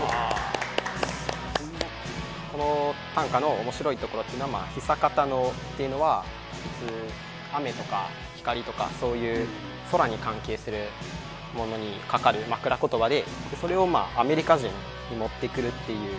この短歌の面白いところっていうのは「久方の」っていうのは普通「雨」とか「光」とかそういう空に関係するものにかかる枕ことばでそれを「アメリカ人」に持ってくるっていう。